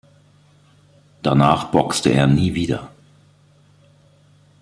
Danach boxte er nie wieder.